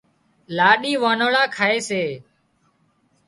لاڏي وانۯا کائي سي